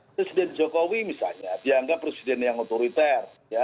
presiden jokowi misalnya dianggap presiden yang otoriter